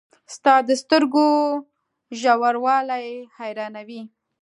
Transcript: • ستا د سترګو ژوروالی حیرانوي.